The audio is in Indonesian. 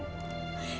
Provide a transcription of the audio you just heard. inilah gelang adikmu